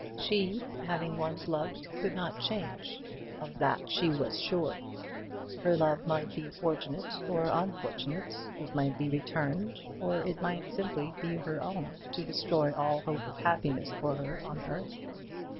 She, having once loved, could not change. Of that she was sure. Her love might be fortunate or unfortunate. It might be returned, or it might simply be her own, to destroy all hope of happiness for her on earth.